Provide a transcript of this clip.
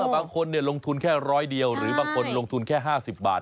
บางคนลงทุนแค่๑๐๐เดียวหรือบางคนลงทุนแค่๕๐บาท